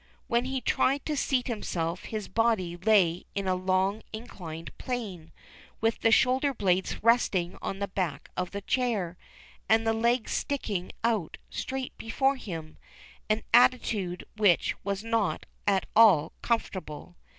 When he tried to seat himself his body lay in a long inclined plane, with the shoulder blades resting on the back of the chair, and the legs sticking out straight before him, an attitude which was not at all comfortable.